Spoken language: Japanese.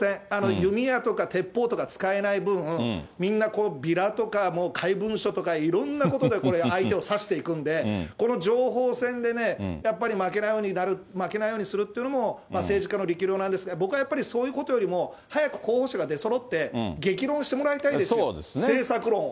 弓矢とか鉄砲とか使えない分、みんな、ビラとか、もう怪文書とか、いろんなことで相手を刺していくんで、この情報戦でね、やっぱり負けないようにするっていうのも、政治家の力量なんですが、僕はやっぱりそういうことよりも、早く候補者が出そろって、激論してもらいたいですよ、政策論を。